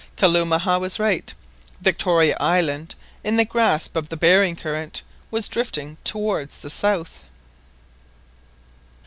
Kalumah was right, Victoria Island, in the grasp of the Behring Current, was drifting towards the south.